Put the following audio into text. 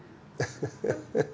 ハハハハ。